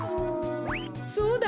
そうだ！